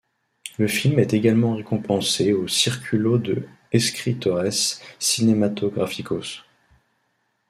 Le film est également récompensé au Círculo de Escritores Cinematográficos.